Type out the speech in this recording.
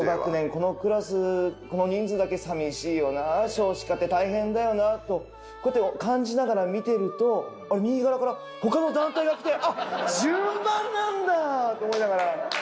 このクラスこの人数だけ寂しいよな少子化って大変だよなとこうやって感じながら見てると右側から他の団体が来て順番があんだ！と思いながら。